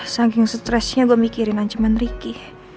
saking stressnya gue mikirin ancaman ricky